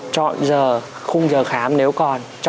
chọn giờ khung giờ khám nếu còn